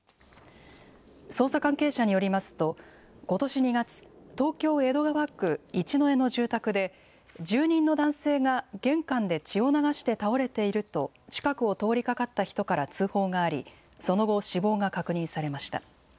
捜査関係者によりますと、ことし２月、東京・江戸川区一之江の住宅で、住人の男性が玄関で血を流して倒れていると、近くを通りかかった人から通報があり、その後、死亡が確認されました。